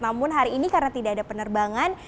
namun hari ini karena tidak ada penerbangan